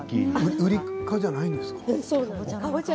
ウリ科じゃないんですか？